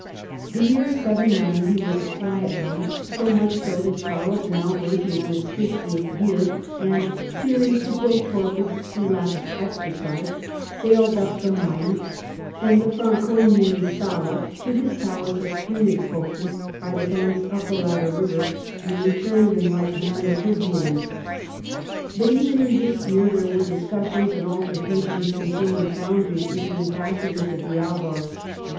The year 790 was a quiet one, so much so that Charles, now verging on his fiftieth year, and " fearing to grow torpid through lack of exercise," sailed up the Main and the Franconian Saale to his palace of Konigs hofen by the banks of the latter river, and returned in like manner to Worms. But even in this year there were discussions and altercations concerning boundaries with the ambassadors of the Avars.